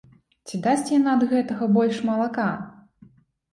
Ці дасць яна ад гэтага больш малака?